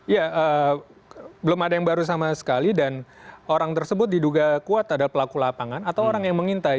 ya belum ada yang baru sama sekali dan orang tersebut diduga kuat adalah pelaku lapangan atau orang yang mengintai